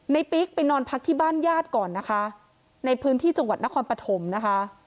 ปิ๊กไปนอนพักที่บ้านญาติก่อนนะคะในพื้นที่จังหวัดนครปฐมนะคะ